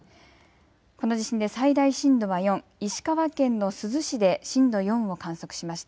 この地震で最大震度は４、石川県の珠洲市で震度４を観測しました。